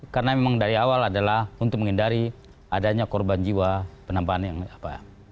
karena memang dari awal adalah untuk menghindari adanya korban jiwa penampan yang apa ya